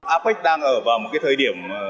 apec đang ở vào một cái thời gian